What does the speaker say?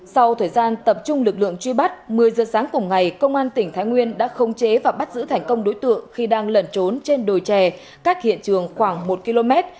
sau thời gian tập trung lực lượng truy bắt một mươi giờ sáng cùng ngày công an tỉnh thái nguyên đã không chế và bắt giữ thành công đối tượng khi đang lẩn trốn trên đồi trè cách hiện trường khoảng một km